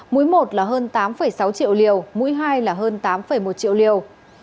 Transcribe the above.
mũi một là hơn tám sáu triệu liều mũi hai là hơn tám một triệu liều